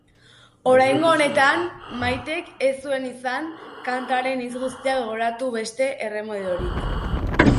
Oraingo honetan Maitek ez zuen izan kantaren hitz guztiak gogoratu beste erremediorik.